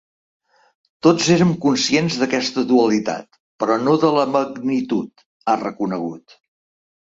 Tots érem conscients d’aquesta dualitat però no de la magnitud, ha reconegut.